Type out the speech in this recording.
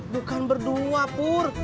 bukan berdua pur